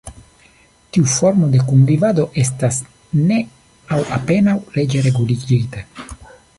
Tiu formo de kunvivado estas ne aŭ apenaŭ leĝe reguligita.